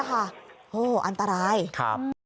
โอ้โหอันตรายครับ